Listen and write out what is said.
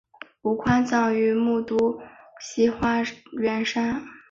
吴宽葬于木渎西花园山。